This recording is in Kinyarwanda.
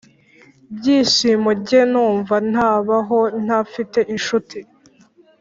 byishimo Jye numva ntabaho ntafite incuti